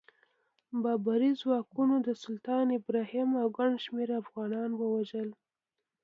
بابري ځواکونو د سلطان ابراهیم او ګڼ شمېر افغانان ووژل.